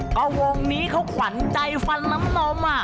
ก็วงนี้เขาขวัญใจฟันน้ำนม